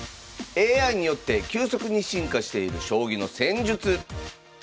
ＡＩによって急速に進化している将棋の戦術。